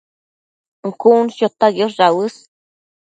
cun chu chota quiosh dauës